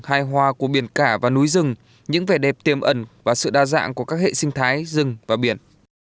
hài hòa của biển cả và núi rừng những vẻ đẹp tiềm ẩn và sự đa dạng của các hệ sinh thái rừng và biển